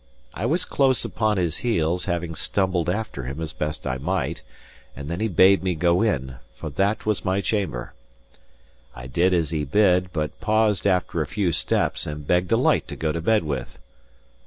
I was close upon his heels, having stumbled after him as best I might; and then he bade me go in, for that was my chamber. I did as he bid, but paused after a few steps, and begged a light to go to bed with.